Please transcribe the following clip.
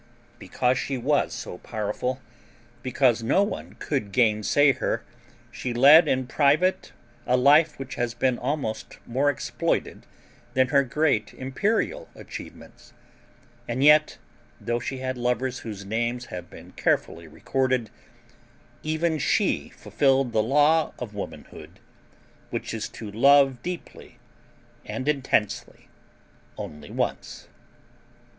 Because she was so powerful, because no one could gainsay her, she led in private a life which has been almost more exploited than her great imperial achievements. And yet, though she had lovers whose names have been carefully recorded, even she fulfilled the law of womanhood which is to love deeply and intensely only once.